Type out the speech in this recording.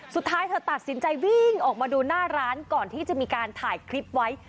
สุดท้ายเธอตัดสินใจวิ่งออกมาดูหน้าร้านก่อนที่จะมีการถ่ายคลิปไว้